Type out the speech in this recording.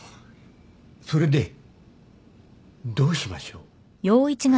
それでどうしましょう？